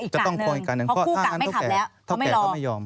จะต้องควงอีกกะหนึ่งเพราะคู่กะไม่ขับแล้วเขาไม่รอ